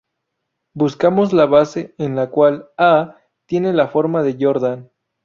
Buscamos la base en la cual "A" tiene la forma de Jordan.